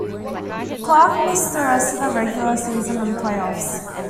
Clark missed the rest of the regular season and playoffs.